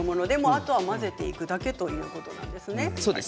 あとはもう混ぜていくだけということなんですね。